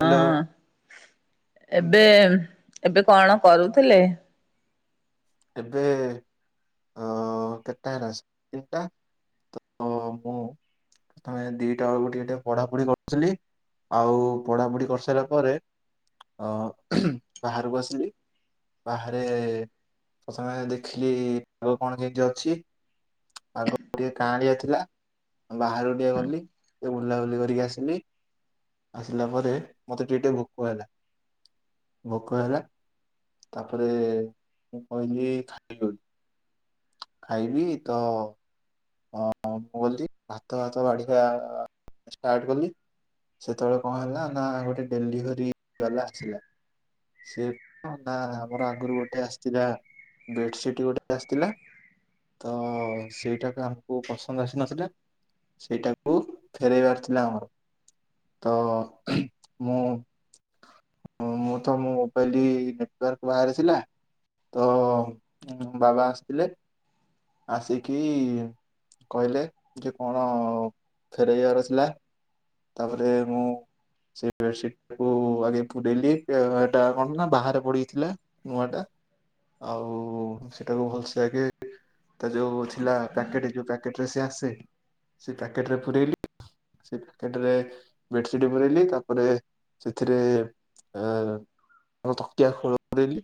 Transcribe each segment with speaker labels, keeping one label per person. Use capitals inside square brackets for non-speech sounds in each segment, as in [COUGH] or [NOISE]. Speaker 1: Hello.
Speaker 2: ହଁ
Speaker 1: ହୁଁ,
Speaker 2: ଏବେ ଏବେ କଣ କରୁଥିଲେ?
Speaker 1: ଏବେ ହଁ କେତେଟା ହେଲା ତିନିଟା ତ ମୁଁ ତମେ ଦିଟାବେଳୁ ଟିକେ ଟିକେ ପଢାପଢି କରୁଥିଲି। ଆଉ ପଢାପଢି କରିସାରିଲା ପରେ ଅ ବାହାରକୁ ଆସିଲି। ବାହାରେ ପ୍ରଥମେ ଦେଖିଲି ଆଗ କଣ କେମିତି ଅଛି। ପାଗ ଟିକେ କାଆଲିଆ ଥିଲା। ବାହାରୁ ଟିକେ ଗଲି ଟିକେ ବୁଲାବୁଲି କରିକି ଆସିଲି। ଆସିଲା ପରେ ମତେ ଟିକେ ଟିକେ ଭୋକ ହେଲା ଭୋକ ହେଲା ତାପରେ ମୁଁ କହିଲି ଖାଇବି। ଖାଇବି ତ ହଁ ମୁଁ ଗଲି ଭାତ ଭାତ ବାଢିବା ଷ୍ଟାର୍ଟ କଲି। ସେତେବେଳେ କଣ ହେଲା ନା ଗୋଟେ ଡେଲିଭେରି ବାଲା ଆସିଲା। ସେ ନା ଆମର ଆଙ୍ଗରୁ ଗୋଟେ ଆସିଥିଲା। ବେଡସିଟ ଗୋଟେ ଆସିଥିଲା ତ ସେଇଟା କ କୁ ପସନ୍ଦ ଆସିନଥିଲା ସେଇଟାକୁ ଫେରାଇବାର ଥିଲା ଆମର। ତ ମୁଁ ମୁଁ ତ ମୋ ମୋବାଇଲ ନେଟୱାର୍କ ବାହାରି ଥିଲା। ତ ବାବା ଆସିଥିଲେ ଆସିକି କହିଲେ ଯେ କଣ ଫେରାଇବାର ଥିଲା? ତାପରେ ମୁଁ ସେ ବେସିଟାକୁ ଆଗେ ପୁରେଇଲି ଏଟା କଣ ନା ବାହାରେ ପଡିଥିଲା। ନୂଆ ଟା ଆଉ ସେଟାକୁ ଭଲସେ ଆଗେ ତା ଯୋଉ ଥିଲା ପ୍ୟାକେଟ ଯୋଉ ପ୍ୟାକେଟ ରେ ସେ ଆସେ। ସେ ପ୍ୟାକେଟ ରେ ପୁରେଇଲି। ଟରେ ବେଡସିଟ୍ ପୁରେଇଲି ତାପରେ ସେଥିରେ ତକିଆ ଖୋଳପୁରେଇଲି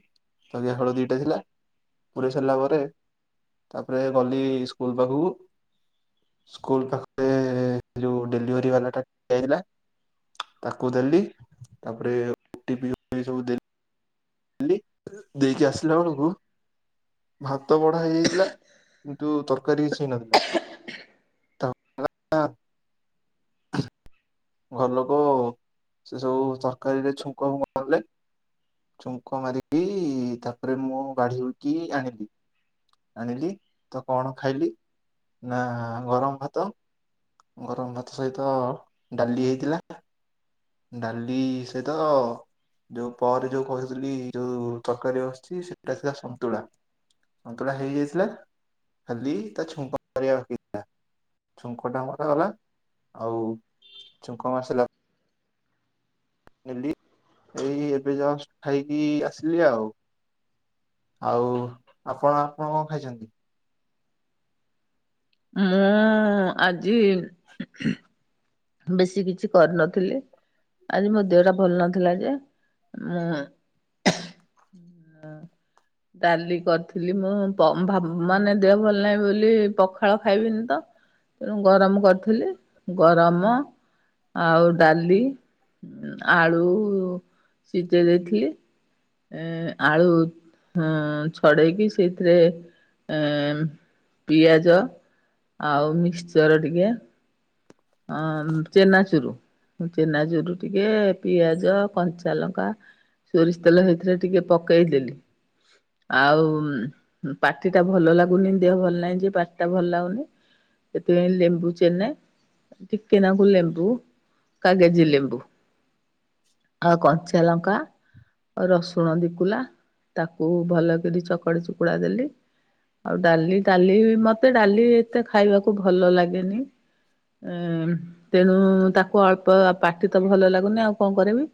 Speaker 1: ତକିଆ ଖୋଳ ଦିଟା ଥିଲା ପୁରାଇ ସାରିଲା ପରେ ତାପରେ ଗଲି ସ୍କୁଲ ପାଖକୁ। ସ୍କୁଲ ପାଖରେ ଯୋଉ ଡେଲିଭରି ବାଲା ତାକୁ ଦେଇକିନା ତାକୁ ଦେଲି ତାପରେ [UNINTELLIGIBLE] ସବୁ ଦେଲି। ଦେଲି ଦେଇକି ଆସିଲାବେଳକୁ। ଭାତ ବଢା ହେଇଯାଇଥିଲା କିନ୍ତୁ ତରକାରୀ କିଛି ହେଇନଥିଲା। ତା ପ ରେ ନାଁ ଘର ଲୋକ ସେ ସବୁ ତରକାରୀରେ ଛୁଙ୍କ ଫୁଙ୍କ କଲେ। ଚୁଙ୍କ ମାରିକି ତାପରେ ମୁଁ ଵାଢ଼ି ହେକି ଆଣିଲି ଆଣିଲି ତ କଣ ଖାଇଲି ନା ଗରମ ଭାତ ଗରମ ଭାତ ସହିତ ଡାଲି ହେଇଥିଲା। ଡାଲି ସହିତ ଯୋଉ ପରେ ଯୋଉ କହିଥିଲି ଯୋଉ ତରକାରୀ ବସିଛି ସେଟା ଥିଲା ସନ୍ତୁଳା। ସନ୍ତଳା ହେଇଯାଇଥିଲା ଖାଲି ତା ଛୁଙ୍କା କରିବା ବାକିଥିଲା। ଛୁଙ୍କ ଟା ମରା ହେଲା ଆଉ ଛୁଙ୍କ ମାରି ସାରିଲା ନେଲି ଏଇ ଏବେ ଯଷ୍ଟ ଖାଇକି ଆସିଲି ଆଉ। ଆଉ ଆପଣ ଆପଣ କଁ ଖାଇଛନ୍ତି।
Speaker 2: ମୁଁ ଆଜି। ବେଶୀ କିଛି କରିନଥିଲି। ଆଜି ମୋ ଦେହଟା ଭଲ ନଥିଲା ଯେ ମୁଁ। ଡାଲି କରିଥିଲି ମୁଁ ପ ଭା ମାନେ ଦେହ ଭଲ ନାହିଁ ବୋଲି ପଖାଳ ଖାଇବିନି ତ। ତେଣୁ ଗରମ କରିଥିଲି ଗରମ ଆଉ ଡାଲି। ହୁଁ ଆଳୁ ସିଝେଇ ଦେଇଥିଲି। ଏଁ ଆଳୁ ହୁଁ ଛଡେଇକି ସେଇଥିରେ। ଏଁ ପିଆଜ ଆଉ ମିକ୍ସଚର ଟିକେ। ଅମ୍ ଚେନ୍ନାଚୁରୁ। ଚେନ୍ନାଚୁରୁ ଟିକେ ପିଆଜ କଞ୍ଚା ଲଙ୍କା। ସୋରିଷ ତେଲ ସେଇଥେରେ ଟିକେ ପକେଇଦେଲି। ଆଉ ପାଟି ଟା ଭଲ ଲାଗୁନି ଦେହ ଭଲ ନାହିଁ ଯେ ପାଟି ଟା ଭଲ ଲାଗୁନି। ସେଥିପାଇଁ ଲେମ୍ବୁ ଚେନେ। ଟିକେ ନାକୁ ଲେମ୍ବୁ କାଗଜି ଲେମ୍ବୁ। ଆଉ କଞ୍ଚା ଲଙ୍କା। ରସୁଣ ଦିକୁଲା ତାକୁ ଭଲ କିରି ଚକଡି ଚୁକୁଡା ଦେଲି। ଆଉ ଡାଲି ଡାଲି ମତେ ଡାଲି ଏତେ ଖାଇବାକୁ ଭଲ ଲାଗେନି। ଏଁ ତେଣୁ ତାକୁ ଅଳ୍ପ ପାଟି ତ ଭଲ ଲାଗୁନି ଆଉ କଣ କରିବି।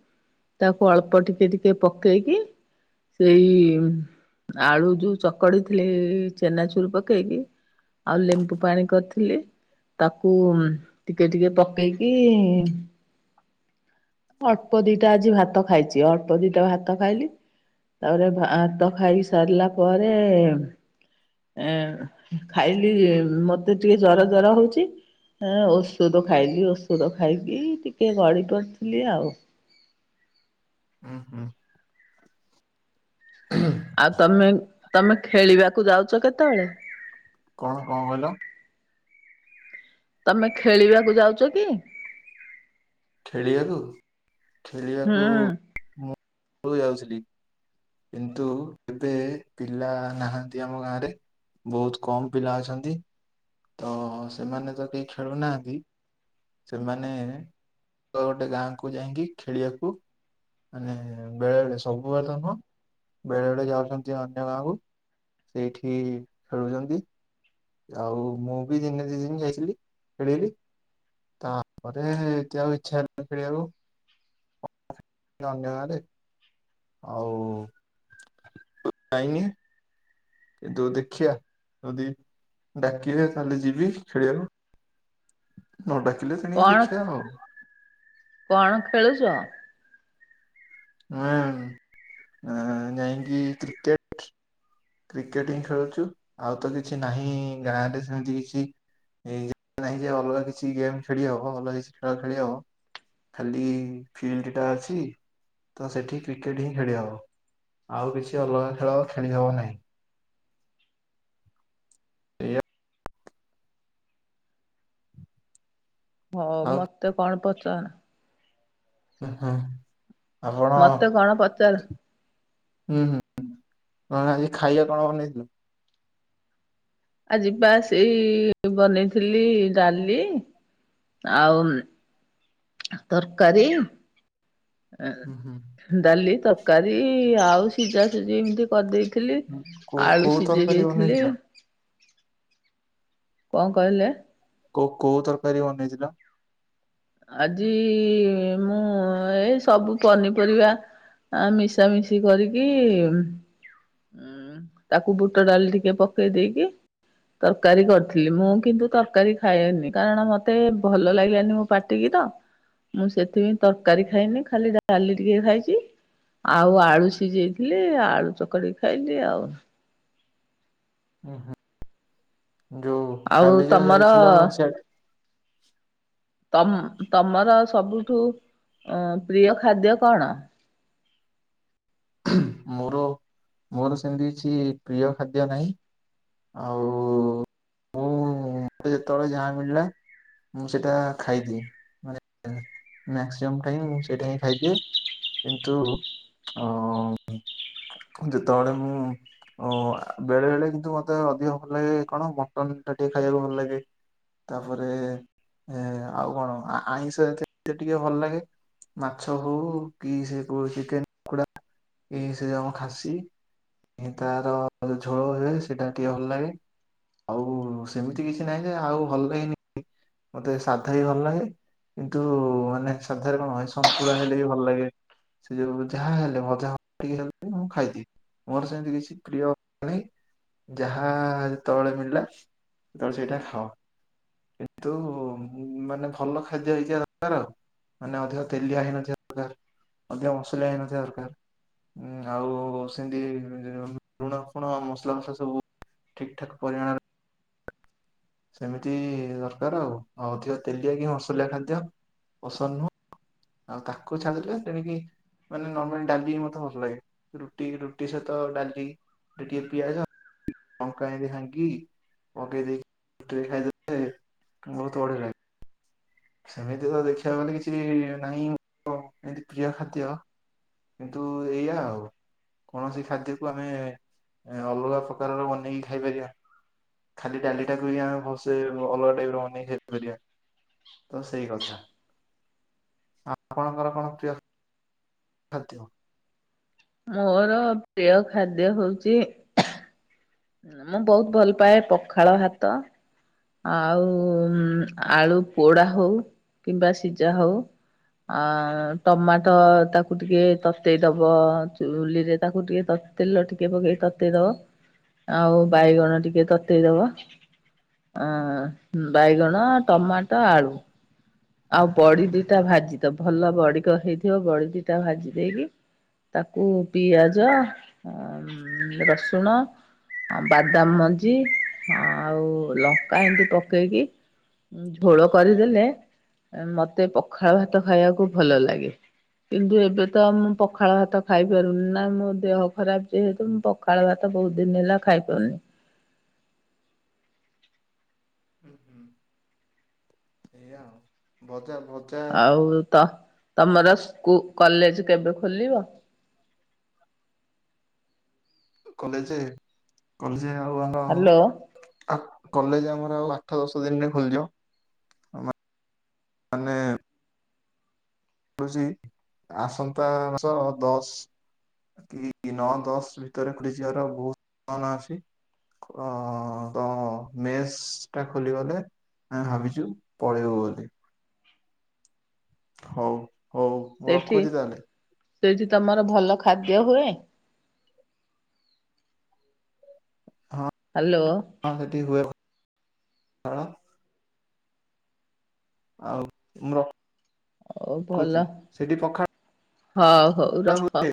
Speaker 2: ତାକୁ ଅଳ୍ପ ଟିକେ ଟିକେ ପକେଇକି। ସେଇ ଆଳୁ ଯୋଉ ଚକଡ଼ି ଥିଲି ଚେନାଚୁର ପକେଇକି। ଆଉ ଲେମ୍ବୁ ପାଣି କରିଥିଲି ତାକୁ। ଟିକେ ଟିକେ ପକେଇକି। ଅଳ୍ପ ଦିଟା ଆଜି ଭାତ ଖାଇଛି ଅଳ୍ପ ଦିଟା ଭାତ ଖାଇଲି। ତାପରେ ଭ ଭାତ ଖାଇ ସାରିଲା ପରେ। ଏଁ ଖାଇଲି ମୋତେ ଟିକେ ଜର ଜର ହଉଛି। ଫେଣେ ଔଷଧ ଖାଇଲି ଔଷଧ ଖାଇକି ଟିକେ ଗଡି ପଡ଼ିଥିଲି ଆଉ।
Speaker 1: ଉଁ ହୁଁ।
Speaker 2: ଆଉ ତମେ ତମେ ଖେଳିବାକୁ ଯାଉଛ କେତେବେଳେ।
Speaker 1: କଣ କଁ କହିଲ।
Speaker 2: ତମେ ଖେଳିବାକୁ ଯାଉଛ କି।
Speaker 1: ଖେଳିବାକୁୁ
Speaker 2: ହୁଁ
Speaker 1: ଖେଳିବାକୁୁ। ଆଗୁରୁ ଯାଉଥିଲି କିନ୍ତୁ ଏବେ ପିଲା ନାହାନ୍ତି ଆମ ଗାଁରେ। ବହୁତ କମ ପିଲା ଅଛନ୍ତି। ତ ସେମାନେ ତ କେହି ଖେଳୁ ନାହାଁନ୍ତି। ସେମାନେ ଅଲଗା ଗୋଟେ ଗାଁ କୁ ଯାଇକି ଖେଳିବାକୁ। ମାନେ ବେଳେ ବଳେ ସବୁବେଳେ ତ ନୁହଁ ବେଳେ ବେଳେ ଯାଉଛନ୍ତି ଅନ୍ୟ ଗାଁକୁ। ସେଇଠି ଖେଳୁଛନ୍ତି। ଆଉ ମୁଁ ବି ଦିନେ ଦି ଦିନି ଯାଇଥିଲି ଖେଳିଲି। ତାପରେ ଏତେ ଆଉ ଇଛା ହେଲାନି ଖେଳିବାକୁ। ଅନ୍ୟ ଗାଁ ରେ। ଆଉ ଜାଇନି। କିନ୍ତୁ ଦେଖିବା ଯଦି ଡାକିବେ ତାହେଲେ ଯିବି ଖେଳିବାକୁ। ନ ଡାକିଲେ ତେଣିକି
Speaker 2: କଣ
Speaker 1: ଦେଖିଆ ଆଉ।
Speaker 2: କଣ ଖେଳୁଚ?
Speaker 1: ଆଁ ନାଁ ଯାଇକି କ୍ରିକେଟ୍ କ୍ରିକେଟ ହିଁ ଖେଳୁଚୁ ଆଉ ତ କିଛି ନାହିଁ ଗାଁରେ ସେମିତି କିଛି ଏଇ ଯେ ନାହିଁ ଯେ ଅଲଗା କିଛି ଗେମ୍ ଖେଳି ହବ ଭଲ କିଛି ଖେଳ ଖେଳି ହବ। ଖାଲି ଫିଲ୍ଡଟା ଅଛି ତ ସେଠି କ୍ରିକେଟ ହିଁ ଖେଳି ହବ। ଆଉ କିଛି ଅଲଗା ଖେଳ ଖେଳି ହବ ନାହିଁ। ଏଇଆ
Speaker 2: ହଉ
Speaker 1: ଆଉ
Speaker 2: ମତେ କଣ ପଚା
Speaker 1: ହଁ ଆପଣ ଉଁ
Speaker 2: ମତେ କଣ ପଚାର?
Speaker 1: ହୁଁ। ହୁଁ କଣ ଆଜି ଖାଇବା କଣ ବନେଇଥିଲ?
Speaker 2: ଆଜି ପା ସେଇ ବନେଇଥିଲି ଡାଲି ଆଉ ତରକାରୀ
Speaker 1: ଉଁ ହୁଁ
Speaker 2: ଏଁ ଡାଲି ତରକାରୀ ଆଉ ସିଜା ସୁଜି ଏମିତି କରିଦେଇ ଥିଲି
Speaker 1: କୋଉ
Speaker 2: ଆଳୁ
Speaker 1: କୋଉ
Speaker 2: ସିଜେଇ
Speaker 1: ତରକାରୀ
Speaker 2: ଦେଇଥିଲି।
Speaker 1: ବନେଇଥିଲ?
Speaker 2: କଁ କହିଲେ?
Speaker 1: କୋଉ କୋଉ ତରକାରୀ ବନେଇଥିଲ?
Speaker 2: ଆଜି ମୁଁ ଏଇ ସବୁ ପନିପରିବା ଆ ମିଶାମିଶି କରିକି ଉଁ ଉଁ ତାକୁ ବୁଟ ଡାଲି ଟିକେ ପକେଇ ଦେଇକି ତରକାରୀ କରିଥିଲି ମୁଁ କିନ୍ତୁ ତରକାରୀ ଖାଏନି କାରଣ ମତେ ଭଲ ଲାଗିଲାନି ମୋ ପାଟିକି ତ ମୁଁ ସେଥିପାଇଁ ତରକାରୀ ଖାଇନି ଖାଲି ଡାଲି ଟିକେ ଖାଇଚି। ଆଉ ଆଳୁ ସିଝେଇଥିଲି ଆଳୁ ଚକଡ଼ି ଖାଇଲି ଆଉ।
Speaker 1: ଉଁ ହୁଁ ଯୋଉ
Speaker 2: ଆଉ
Speaker 1: କାଲି ଯୋଉ
Speaker 2: ତମର
Speaker 1: ଯାଇଥିଲ ସିଆ
Speaker 2: ତମ୍ ତମର ସବୁଠୁ ଅଁ ପ୍ରିୟ ଖାଦ୍ୟ କଣ?
Speaker 1: ମୋର ମୋର ସେମିତି କିଛି ପ୍ରିୟ ଖାଦ୍ୟ ନାଇଁ। ଆଉ ମୁଁ ମତେ ଯେତଳେ ଯାହା ମିଳିଲା ମୁଁ ସେଟା ଖାଇଦିଏଁ। ମାକ୍ସିମମ୍ ଟାଇମ୍ ମୁଁ ସେଇଟା ହିଁ ଖାଇଦିଏ। କିନ୍ତୁ ଅ ଯେତଳେ ମୁଁ ଓ ବେଳେ ବେଳେ କିନ୍ତୁ ମତେ ଅଧିକ ଭଲ ଲାଗେ କଣ ମଟନଟା ଟିକେ ଖାଇବାକୁ ଭଲ ଲାଗେ। ତାପରେ ଏ ଆଉ କଣ ଆ ଆଇଁଷ ଏତେ ତେ ଟିକେ ଭଲ ଲାଗେ ମାଛ ହଉ କି ସେ କୋ ଚିକେନ କୁଡା ଏଇ ସେ ଯୋଉ ଖାସି। ଏଁ ତାର ଝୋଳ ହୁଏ ସେଇଟା ଟିକେ ଭଲ ଲାଗେ। ଆଉ ସେମିତି କିଛି ନାହିଁ ଯେ ଆଉ ଭଲଗେନି ମତେ ସାଧା ବି ଭଲାଗେ। କିନ୍ତୁ ମାନେ ସାଧାରେ କଣ ଏ ସନ୍ତୁଳା ହେଲେ ବି ଭଲ ଲାଗେ। ସେ ଯୋଉ ଯାହା ହେଲେ ଭଜା ହ ଟିକେ ହେଲେ ମୁଁ ଖାଇଦିଏ। ମୋର ସେମିତି କିଛି ପ୍ରିୟ ନାହିଁ ଯାହା ଯେତଳେ ମିଳିଲା ତ ସେଇଟା ଖାଅ କିନ୍ତୁ ମୁଁ ମାନେ ଭଲ ଖାଦ୍ୟ ହେଇଥିବା ଦଆର ମାନେ ଅଧିକ ତେଲିଆ ହେଇନଥିବା ଅକାର। ଅଧିକ ମସଲା ହେଇନଥିବା ଦରକାର। ଉଁ ଆଉ ସେନ୍ତି ଲୁଣ ଫୁଣ ମସଲା ଫସା ସବୁ ଠିକ୍ ଠାକ୍ ପରିମାଣରେ ସେମିତି ଦରକାର ଆଉ। ଆଉ ଅଧିକ ତେଲିଆ କି ମସଲିଆ ଖାଦ୍ୟ ପସନ୍ଦ ନୁହଁ। ଆଉ ତାକୁ ଛାଡିଲେ ସେଣିକି ମାନେ ନର୍ମାଲ ଡାଲି ମତେ ଭଲ ଲାଗେ ରୁଟି ରୁଟି ସହିତ ଡାଲି। ଦିଟିଏ ପିଆଜ ଲଙ୍କା ଏନ୍ତି ଭାଙ୍ଗି ପକେଇ ଦେଇକି [UNINTELLIGIBLE] ବହୁତ ବଢିଆ ଲାଗ୍ ସେମିତି ତ ଦେଖିବାକୁ ଗଲେ କିଛି-ଇ-ଇ-ଇ ନାହିଁ ମୋ ଏମତି ପ୍ରିୟ ଖାଦ୍ୟ କିନ୍ତୁ ଏଇଆା ଆଉ। କୌଣସି ଖାଦ୍ୟକୁ ଆମେ-ଏ-ଏ-ଏ ଅଲଗା ପ୍ରକାରର ବନେଇକି ଖାଇପାରିବା। ଖାଲି ଡାଲିଟା କୁ ହି ଆମେ ଭଲସେ-ଏ-ଏ ଅଲଗା ଟାଇପର ବନେଇକି ଖାଇ ପାରିବା। ତ ସେଇ କଥା। ଆପଣଙ୍କର କଣ ପ୍ରିୟ ଖାଦ୍ୟ?
Speaker 2: ମୋର ପ୍ରିୟ ଖାଦ୍ୟ ହଉଛି ମୁଁ ବହୁତ ଭଲ ପାଏ ପଖାଳ ଭାତ। ଆଉ-ଉ-ଉ-ଉ ଆଳୁ ପୋଡା ହଉ କିମ୍ବା ସିଝା ହଉ ଆ-ଆ-ଆ ଟମାଟୋ ତାକୁ ଟିକେ ତତେଇଦବ-ଅ-ଅ ଚୁଲିରେ ତାକୁ ଟିକେ ତ ତେଲ ଟିକେ ପକେଇକି ତତେଇ ଦବ ଆଉ ବାଇଗଣ ଟିକେ ତତେଇ ଦବ ଅ-ଅ-ଅ ବାଇଗଣ, ଟମାଟୋ, ଆଳୁ ଆଉ ବଡି ଦିଟା ଭାଜି ଦବ ଭଲ ବଡିିକ ହେଇଥିବ ବଡି ଦିଟା ଭାଜି ଦେଇକି ତାକୁ ପିଆଜ ଅ-ଅ ରସୁଣ ଆ ବାଦାମ ମଞ୍ଜି ଆଉ-ଉ ଲଙ୍କା ଏମତି ପକେଇକି ଝୋଳ କରିଦେଲେ ମତେ ପଖାଳ ଭାତ ଖାଇବାକୁ ଭଲ ଲାଗେ। କିନ୍ତୁ ଏବେ ତ ମୁଁ ପଖାଳ ଭାତ ଖାଇପାରୁନି ନା ମୋ ଦେହ ଖରାପ ଯେହେତୁ ମୁଁ ପ ଖାଳ ଭାତ ବହୁତ ଦିନ ହେଲା ଖାଇପାରୁନି।
Speaker 1: ହୁଁ ହୁଁ। ଏଇଆ ଆଉ ଭଜାର ଭଜ
Speaker 2: ଆଉ-ଉ-ଉ ତ ତମର ସ୍କୁ କଲେଜ କେବେ ଖୋଲିବ?
Speaker 1: କଲେଜେ କଲେଜେ ଆଉ ଆଗ
Speaker 2: ହ୍ୟାଲୋ
Speaker 1: ଆ କଲେଜ ଆମର ଆଉ ଆଠ ଦଶ ଦିନରେ ଖୋଲିଯିବ। ମାନେ-ଏ-ଏ ହଉଛି ଆସନ୍ତା ମାସ ଦଶ କିି ନଅ ଦଶ ଭିତରେ ଖୁଲି ଯିବାର ବହୁତ ସମ୍ଭାବନା ଅଛି। ଅ-ଅ-ଅ ତ ମେସ୍-ସ୍ ଟା ଖୋଲିଗଲେ ଆମେ ଭାବିଛୁ ପଳେଇବୁ ବୋଲି। ହଉ ହଉ ମୁଁ
Speaker 2: ସେଇଠି
Speaker 1: ରଖୁଛି ତାହେଲେ
Speaker 2: ସେଇଠି ତମର ଭଲ ଖାଦ୍ୟ ହୁଏ?
Speaker 1: ହଁ।
Speaker 2: ହ୍ୟାଲୋ।
Speaker 1: ହଁ ସେଠି ହୁଏ [UNINTELLIGIBLE] ଆଉ ମୁଁ ରଖ୍
Speaker 2: ହଉ ଭଲ,
Speaker 1: ପଖାଳ
Speaker 2: ହଁ ହଉ ରଖ।
Speaker 1: ହୁଏ